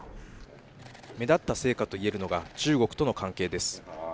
目立った成果といえるのが中国との関係です。